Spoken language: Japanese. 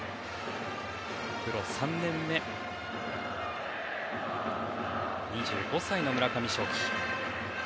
プロ３年目、２５歳の村上頌樹。